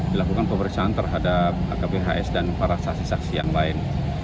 dilakukan pemeriksaan terhadap akbhs dan para saksi saksi yang lain